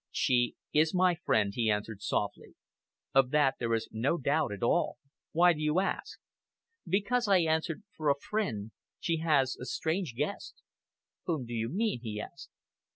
"She is my friend," he answered softly. "Of that there is no doubt at all. Why do you ask?" "Because," I answered, "for your friend, she has a strange guest." "Whom do you mean?" he asked.